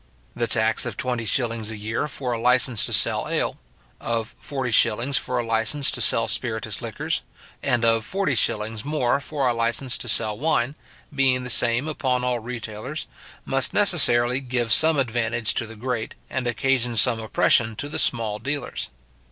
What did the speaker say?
The tax of twenty shillings a year for a licence to sell ale; of forty shillings for a licence to sell spiritous liquors; and of forty shillings more for a licence to sell wine, being the same upon all retailers, must necessarily give some advantage to the great, and occasion some oppression to the small dealers.